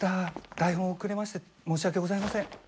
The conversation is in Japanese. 台本遅れまして申し訳ございません。